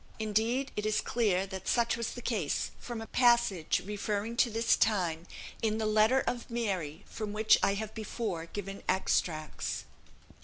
Indeed, it is clear that such was the case, from a passage, referring to this time, in the letter of "Mary" from which I have before given extracts.